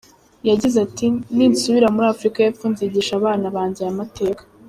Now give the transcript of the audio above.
Yagize ati “Ninsubira muri Afurika y’Epfo nzigisha abana banjye aya mateka.